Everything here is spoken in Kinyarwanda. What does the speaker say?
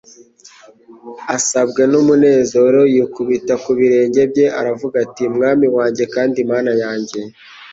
Asabwe n'umunezero yikubita ku birenge bye, aravuga ati : «Mwami wanjye kandi Mana yanjye!»